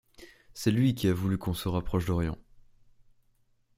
C’est lui qui a voulu qu’on se rapproche d’Orion.